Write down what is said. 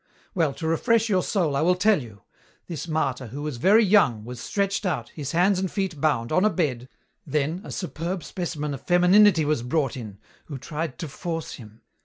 "Well, to refresh your soul I will tell you. This martyr, who was very young, was stretched out, his hands and feet bound, on a bed, then a superb specimen of femininity was brought in, who tried to force him.